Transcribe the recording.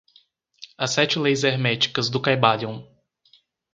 As sete leis herméticas do caibalion